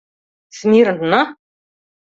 — Смирно!